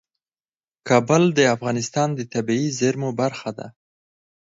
کابل د افغانستان د طبیعي زیرمو برخه ده.